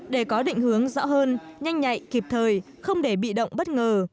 để có định hướng rõ hơn nhanh nhạy kịp thời không để bị động bất ngờ